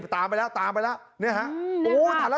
ตามไปแล้วตามไปแล้ว